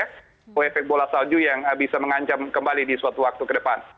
kuefek bola salju yang bisa mengancam kembali di suatu waktu ke depan